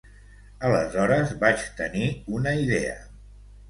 Aleshores, vaig tenir una idea.